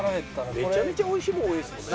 めちゃめちゃ美味しいもの多いですもんね。